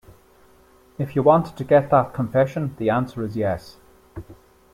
If you wanted to get that confession, the answer is yes.